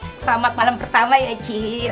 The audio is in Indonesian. selamat malam pertama ya ci